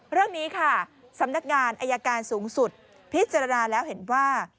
เรื่องนี้ค่ะสำนักงานอายการสูงสุดพิจารณาแล้วเห็นว่า